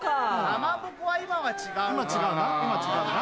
かまぼこは今は違うかな。